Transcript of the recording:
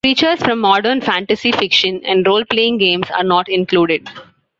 Creatures from modern fantasy fiction and role-playing games are not included.